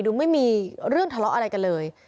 ไม่มีเรื่องทะเลาะอะไรกันเลย